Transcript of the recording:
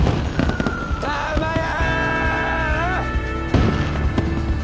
たまや！